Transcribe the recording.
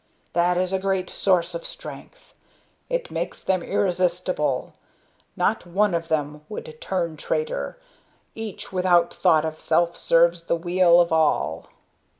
That is a great source of strength; it makes them irresistible. Not one of them would turn traitor; each without thought of self serves the weal of all."